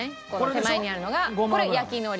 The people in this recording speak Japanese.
手前にあるのがこれ焼き海苔。